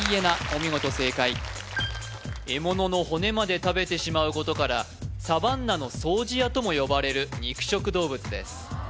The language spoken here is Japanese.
お見事正解獲物の骨まで食べてしまうことから「サバンナの掃除屋」とも呼ばれる肉食動物です